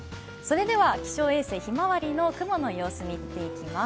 気象衛星「ひまわり」の雲の様子を見ていきます。